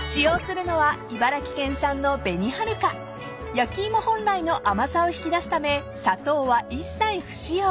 ［焼き芋本来の甘さを引き出すため砂糖は一切不使用］